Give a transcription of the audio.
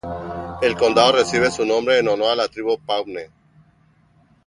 El condado recibe su nombre en honor a la tribu Pawnee.